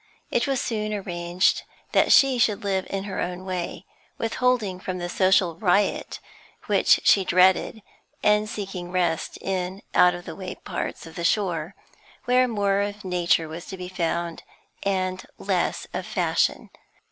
It was soon arranged that she should live in her own way, withholding from the social riot which she dreaded, and seeking rest in out of the way parts of the shore, where more of nature was to be found and less of fashion.